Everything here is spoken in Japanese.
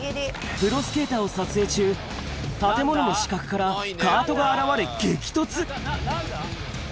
プロスケーターを撮影中、建物の死角からカートが現れ、激突。